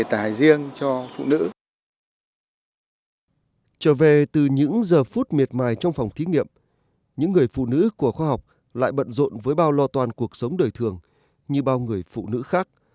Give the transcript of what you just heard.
trong những phút miệt mài trong phòng thí nghiệm những người phụ nữ của khoa học lại bận rộn với bao lo toàn cuộc sống đời thường như bao người phụ nữ khác